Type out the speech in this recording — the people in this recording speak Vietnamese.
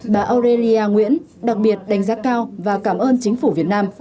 bà orelia nguyễn đặc biệt đánh giá cao và cảm ơn chính phủ việt nam